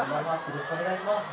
よろしくお願いします